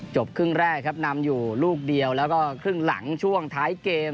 ครึ่งแรกครับนำอยู่ลูกเดียวแล้วก็ครึ่งหลังช่วงท้ายเกม